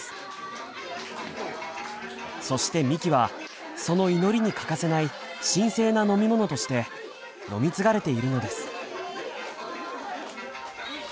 そしてみきはその祈りに欠かせない神聖な飲み物として飲み継がれているのです。